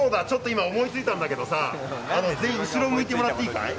今、思いついたんだけどさ全員後ろ向いてもらっていいかい。